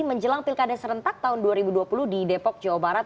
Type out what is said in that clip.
menjelang pilkada serentak tahun dua ribu dua puluh di depok jawa barat